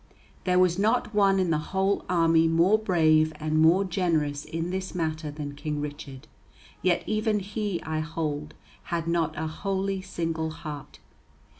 There was not one in the whole army more brave and more generous in this matter than King Richard; yet even he, I hold, had not a wholly single heart.